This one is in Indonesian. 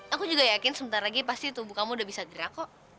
aku juga yakin sebentar lagi pasti tubuh kamu udah bisa gerak kok